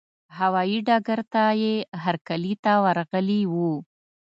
هوايي ډګر ته یې هرکلي ته ورغلي وو.